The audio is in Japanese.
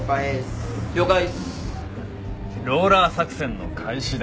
ローラー作戦の開始だ。